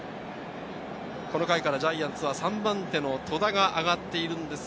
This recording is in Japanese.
この回からジャイアンツは３番手の戸田がマウンドに上がっています。